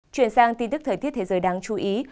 chuyển sang tin tức thời tiết thế giới đáng chú ý